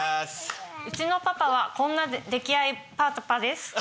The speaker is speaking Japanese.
うちのパパはこんな溺愛パパです。